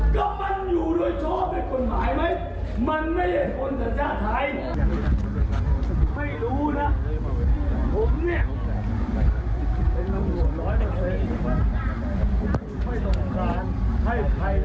ก็มันอยู่โดยช้อเป็นกฎหมายไหมมันไม่เห็นคนสัญญาไทย